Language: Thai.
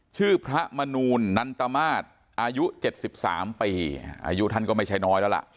ชื่อพระมนูลนันตมาศอายุ๗๓ปีอายุท่านก็ไม่ใช่น้อยแล้วล่ะ